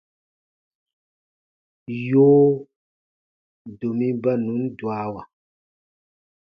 Yoo, domi ba nùn dwawa.